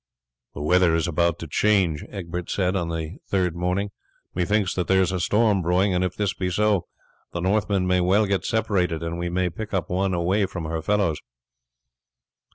"The weather is about to change," Egbert said on the third morning. "Methinks that there is a storm brewing, and if this be so the Northmen may well get separated, and we may pick up one away from her fellows."